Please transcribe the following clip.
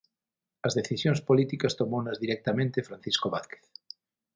As decisións políticas tomounas directamente Francisco Vázquez.